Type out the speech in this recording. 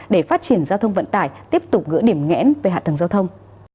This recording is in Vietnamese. để phát triển giao thông vận tải tiếp tục gỡ điểm nghẽn về hạ tầng giao thông